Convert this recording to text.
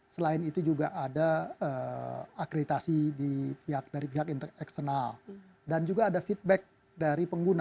selain itu juga ada akreditasi pihak dari pihak eksternal dan juga ada feedback dari pengguna